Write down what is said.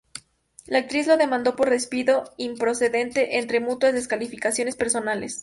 La actriz lo demandó por despido improcedente entre mutuas descalificaciones personales.